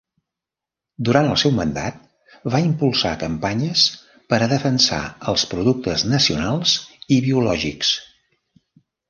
Durant el seu mandat va impulsar campanyes per a defensar els productes nacionals i biològics.